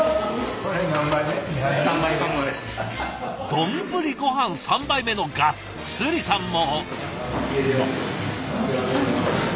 丼ごはん３杯目のガッツリさんも！